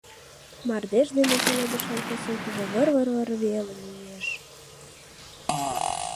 Мардеж дене пеледышан косынкыже выр-выр-выр веле лиеш.